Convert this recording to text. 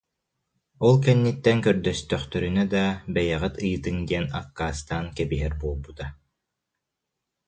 Ол кэнниттэн көрдөстөхтөрүнэ да, бэйэҕит ыйытыҥ диэн аккаастаан кэбиһэр буолбута